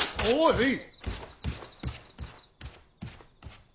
おい！